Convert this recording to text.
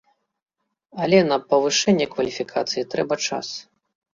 Але на павышэнне кваліфікацыі трэба час.